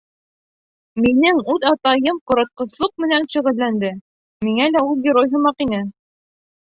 Минең үҙ атайым ҡоротҡослоҡ менән шөғөлләнде, миңә лә ул герой һымаҡ ине.